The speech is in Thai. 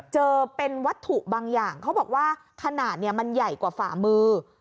เจอเป็นวัตถุบางอย่างเขาบอกว่าขนาดมันใหญ่กว่าฝ่ามือ